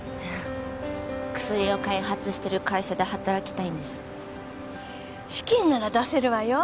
薬を開発してる会社で働きたいんです資金なら出せるわよ